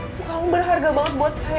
itu kamu berharga banget buat saya